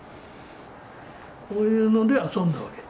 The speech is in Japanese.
こういうので遊んだわけ。